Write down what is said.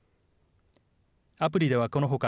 アプリではこのほか、